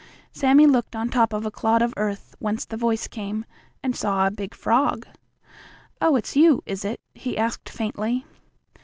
Sammie looked on top of a clod of earth, whence the voice came, and saw a big frog. "Oh, it's you, is it?" he asked faintly.